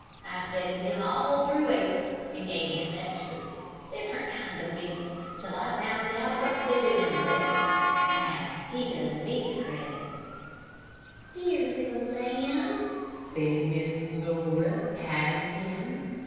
I petted him all through April, and gave him extras different kinds of meal, till I found what suited him best; now he does me credit." "Dear little lamb," said Miss Laura, patting him.